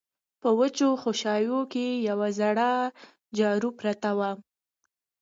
په وچو خوشايو کې يوه زړه جارو پرته وه.